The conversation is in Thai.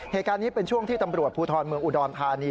เหตุการณ์นี้เป็นช่วงที่ตำรวจภูทรเมืองอุดรธานี